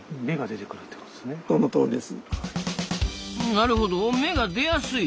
なるほど芽が出やすい。